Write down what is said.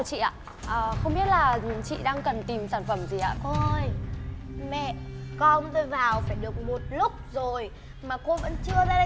chị chả thấy nhân viên nào giống như em cả